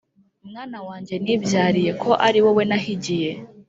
mwana wanjye nibyariye Ko ari wowe nahigiye